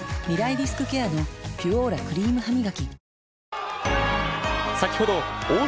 リスクケアの「ピュオーラ」クリームハミガキ